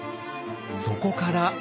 そこから。